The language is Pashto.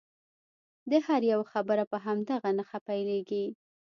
د هر یوه خبره په همدغه نښه پیلیږي.